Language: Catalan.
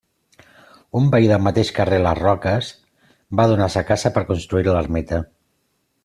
Un veí del mateix carrer Les Roques va donar sa casa per construir-hi l'ermita.